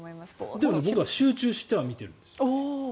でも僕は集中しては見ているんです。